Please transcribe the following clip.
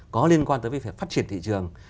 có liên quan tới việc phát triển thị trường